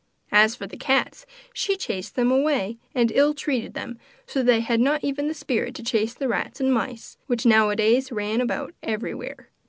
As for the cats, she chased them away, and ill treated them, so that they had not even the spirit to chase the rats and mice, which nowadays ran about everywhere.